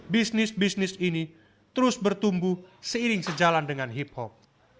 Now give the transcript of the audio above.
bisnis bisnis ini terus bertumbuh seiring sejalan dengan hip hop